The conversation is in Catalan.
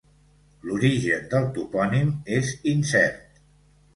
L'origen del topònim és incert.